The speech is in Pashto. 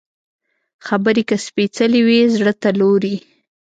خبرې که سپېڅلې وي، زړه ته لوري